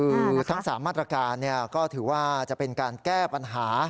คือทั้ง๓มาตรการก็ถือว่าจะเป็นการแก้ปัญหา